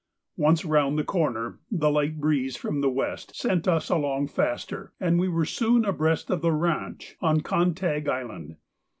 Once round the corner, the light breeze from the west sent us along faster, and we were soon abreast of the 'ranche' on Kantag Island.